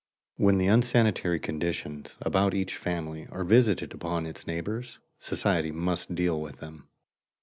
When the unsanitary conditions about each family are visited upon its neighbors, society must deal with them.